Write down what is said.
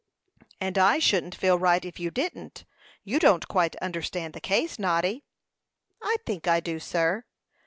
"And I shouldn't feel right if you didn't. You don't quite understand the case, Noddy." "I think I do, sir."